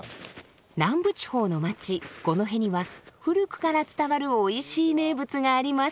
南部地方の町五戸には古くから伝わるおいしい名物があります。